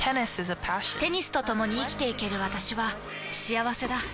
テニスとともに生きていける私は幸せだ。